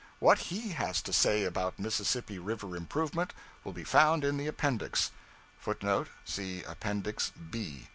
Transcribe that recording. What he has to say about Mississippi River Improvement will be found in the Appendix.{footnote [See Appendix B.